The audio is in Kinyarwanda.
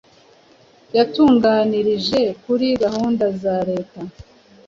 Yatuganirije kuri gahunda za Leta,